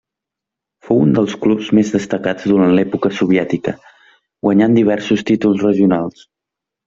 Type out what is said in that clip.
Fou un dels clubs més destacats durant l'època soviètica, guanyant diversos títols regionals.